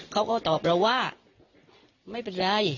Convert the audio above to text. เขาก็ตอบเราว่าไม่เป็นไร